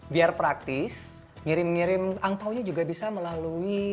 biar praktis ngirim ngirim angpaunya juga bisa melalui